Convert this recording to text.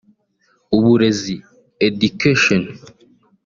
Uburezi (Education)